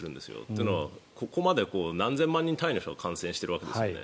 というのは、ここまで何千万人単位の人が感染しているわけですよね。